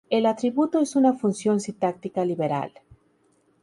El atributo es una función sintáctica liberal.